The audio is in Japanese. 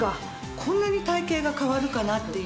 こんなに体形が変わるかなっていうぐらい。